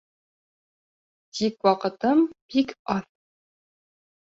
Тик ваҡытым бик аҙ.